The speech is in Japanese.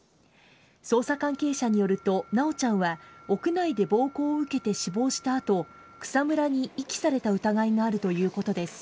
捜査関係者によると、修ちゃんは屋内で暴行を受けて死亡した後草むらに遺棄された疑いがあるということです。